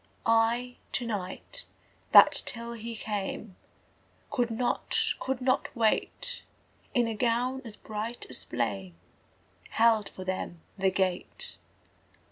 I, to night, that till he came Could not, could not wait, In a gown as bright as flame Held for them the gate.)